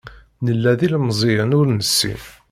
Nella d ilemẓiyen ur nessin.